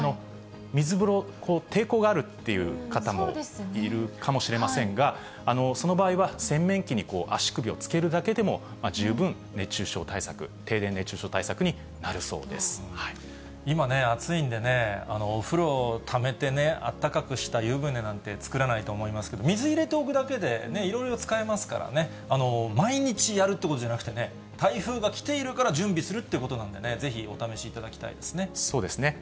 水風呂、抵抗があるっていう方もいるかもしれませんが、その場合は洗面器に足首をつけるだけでも、十分、熱中症対策、今ね、暑いんでね、お風呂ためて、あったかくした湯船なんて作らないと思いますけど、水入れておくだけで、いろいろ使えますからね、毎日やるということじゃなくてね、台風が来ているから準備するということなんでね、ぜひお試しいたそうですね。